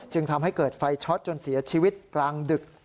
ทำให้เกิดไฟช็อตจนเสียชีวิตกลางดึก